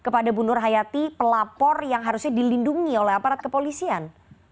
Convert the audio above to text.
kepada bu nur hayati pelapor yang harusnya dilindungi oleh aparat kepolisian